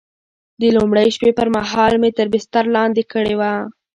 د لومړۍ شپې پر مهال مې تر بستر لاندې کړې وه.